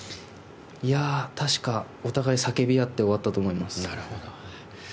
確か、お互い叫び合って終わったと思います。